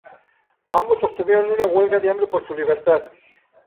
Ambos sostuvieron una huelga de hambre por su libertad.